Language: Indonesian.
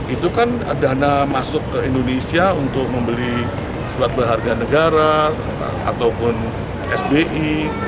itu kan dana masuk ke indonesia untuk membeli surat berharga negara ataupun sbi